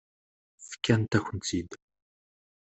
Fkant-akent-tt-id.